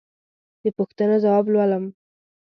د پوښتنو ځواب لولم.